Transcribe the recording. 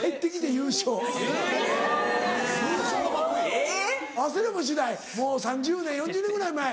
・えぇ⁉忘れもしないもう３０年４０年ぐらい前。